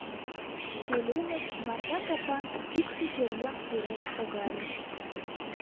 Пӧлемыш марда капан кукшо пӧръеҥ пурен шогале.